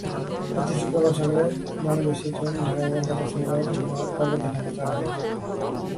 প্রতি শুক্রবার সকালে বাংলাদেশি ট্রেন ঢাকা-কলকাতা এবং শনিবার কলকাতা-ঢাকা চলাচল করবে।